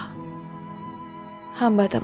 terima kasih bu